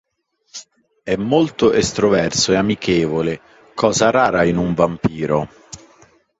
È molto estroverso e amichevole, cosa rara in un vampiro.